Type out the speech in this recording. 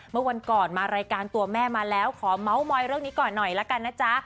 เมื่อวันก่อนมารายการตัวแม่มาแล้วขอเมาส์มอยเรื่องนี้ก่อนหน่อยละกันนะจ๊ะ